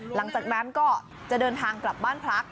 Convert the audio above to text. หลังจากนั้นก็จะเดินทางกลับบ้านพัก